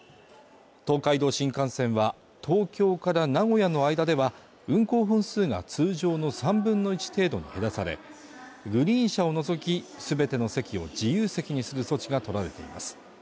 東海道新幹線は東京から名古屋の間では運行本数が通常の３分の１程度に減らされグリーン車を除き全ての席を自由席にする措置が取られています